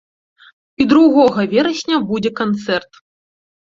І другога верасня будзе канцэрт.